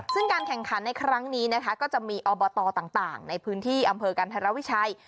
ซึ่งการแข่งขันในครั้งนี้นะคะก็จะมีอบตต่างในพื้นที่อำเภอกันธรวิชัย